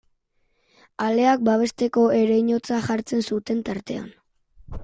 Aleak babesteko ereinotza jartzen zuten tartean.